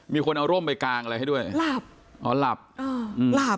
มีคนเอาร่มไปกางอะไรให้ด้วยหลับอ๋อหลับอ่าหลับ